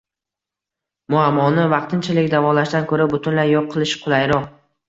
Muammoni vatqinchalik davolashdan koʻra, butunlay yoʻq qilish qulayroq.